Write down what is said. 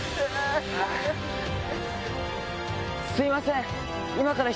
すみません。